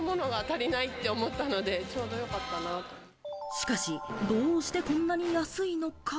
しかし、どうしてこんなに安いのか？